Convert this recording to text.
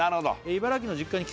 茨城の実家に」